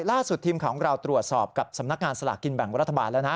ล่าสุดทีมของเราตรวจสอบกับสำนักงานสลากกินแบ่งรัฐบาลแล้วนะ